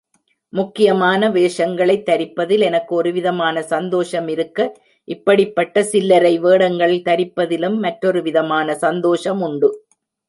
முக்கியமான வேஷங்களைத் தரிப்பதில் எனக்கு ஒருவிதமான சந்தோஷமிருக்க, இப்படிப்பட்ட சில்லரை வேடங்கள் தரிப்பதிலும் மற்றொரு விதமான சந்தோஷமுண்டு.